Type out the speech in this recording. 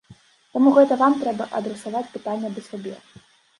Таму гэта вам трэба адрасаваць пытанне да сябе.